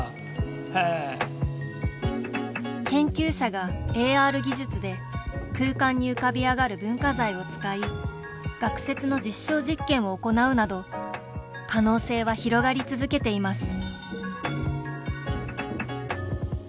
研究者がＡＲ技術で空間に浮かび上がる文化財を使い学説の実証実験を行うなど可能性は広がり続けています